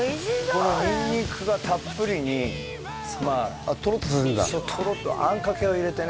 このニンニクがたっぷりにまああっトロッとするんだそうトロッとあんかけを入れてね